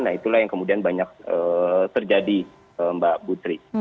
nah itulah yang kemudian banyak terjadi mbak putri